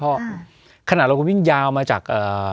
ขณะเรากำลังวิ่งยาวมาจาก